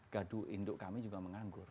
gadu induk kami juga menganggur